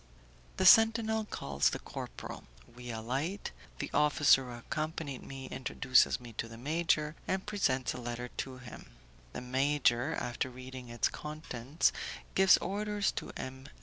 The sentinel calls the corporal; we alight, the officer who accompanied me introduces me to the major, and presents a letter to him. The major, after reading its contents, gives orders to M.